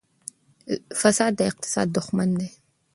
فساد د اقتصاد دښمن دی.